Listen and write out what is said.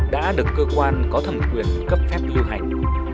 đã được cơ quan có thẩm quyền cấp phép lưu hành